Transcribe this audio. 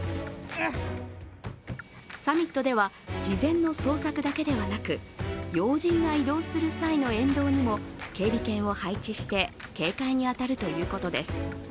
サミットでは、事前の捜索だけではなく、要人が移動する際の沿道にも警備犬を配置して警戒に当たるということです。